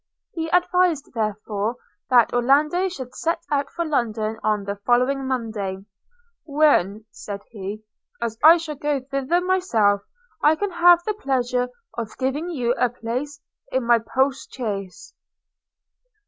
He advised therefore that Orlando should set out for London on the following Monday – 'when,' said he, 'as I shall go thither myself, I can have the pleasure of giving you a place in my post chaise.'